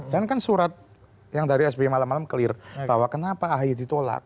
dan kan surat yang dari sby malam malam clear bahwa kenapa ahy ditolak